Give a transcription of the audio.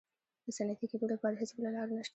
د صنعتي کېدو لپاره هېڅ بله لار نشته.